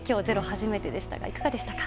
初めてでしたがいかがでしたか。